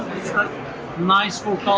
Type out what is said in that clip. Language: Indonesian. bagus untuk warna